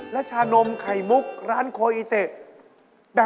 และชานมไข่มุกร้านโคอีเตะ